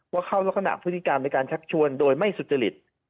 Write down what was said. เข้ารักษณะพฤติกรรมในการชักชวนโดยไม่สุจริต